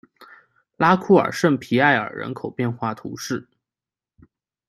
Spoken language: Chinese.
拉库尔圣皮埃尔人口变化图示